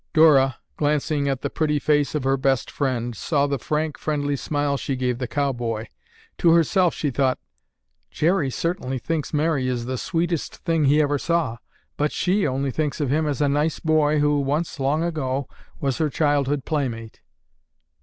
Dora, glancing at the pretty face of her best friend, saw the frank, friendly smile she gave the cowboy. To herself she thought,—"Jerry certainly thinks Mary is the sweetest thing he ever saw, but she only thinks of him as a nice boy who once, long ago, was her childhood playmate."